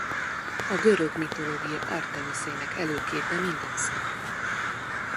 A görög mitológia Artemiszének előképe minden szempontból.